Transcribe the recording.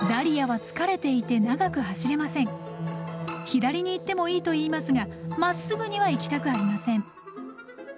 左に行ってもいいと言いますがまっすぐには行きたくありません。